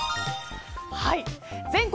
全国